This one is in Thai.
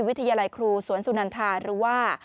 วิทยาลัยครูสวนสุนันทาหรือว่า